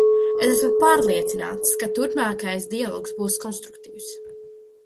Es esmu pārliecināts, ka turpmākais dialogs būs konstruktīvs.